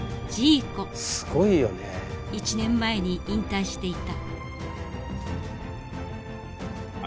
１年前に引退していた。